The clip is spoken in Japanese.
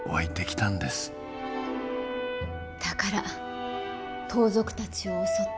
だから盗賊たちを襲った？